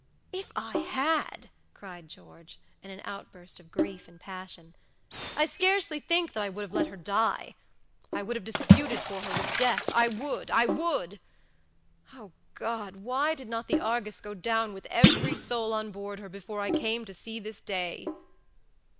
"If I had," cried George, in an outburst of grief and passion, "I scarcely think that I would have let her die. I would have disputed for her with death. I would! I would! Oh God! why did not the Argus go down with every soul on board her before I came to see this day?"